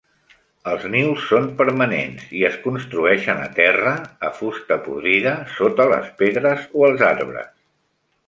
Els nius són permanents i es construeixen a terra, a fusta podrida, sota les pedres o als arbres.